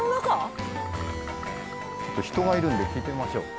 ちょっと人がいるんで聞いてみましょう。